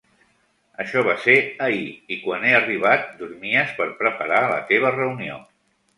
Això va ser ahir i quan he arribat dormies per preparar la teva reunió.